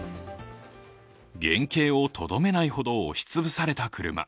原形をとどめないほど押しつぶされた車。